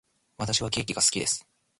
私はケーキが好きです。